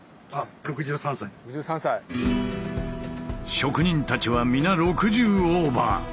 職人たちは皆６０オーバー。